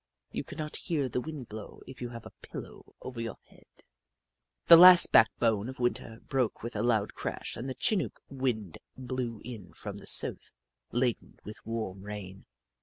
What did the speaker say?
You cannot hear the wind blow if you have a pillow over your head. At last the backbone of Winter broke with a loud crash and the Chinook wind blew in from the south, laden with warm rain.